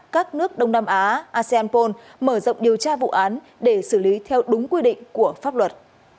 các nước đông nam á asean bốn mở rộng điều tra vụ án để xử lý theo đúng quy định của pháp luật